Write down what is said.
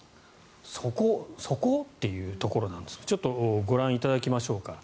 そこ？というところなんですがちょっとご覧いただきましょうか。